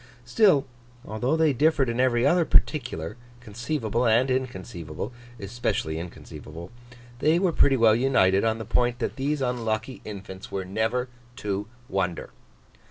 Still, although they differed in every other particular, conceivable and inconceivable (especially inconceivable), they were pretty well united on the point that these unlucky infants were never to wonder.